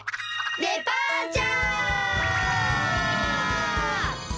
デパーチャー！